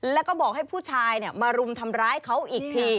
แล้วก็บอกให้ผู้ชายมารุมทำร้ายเขาอีกที